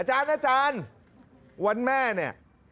อาจารย์วันแม่เนี่ย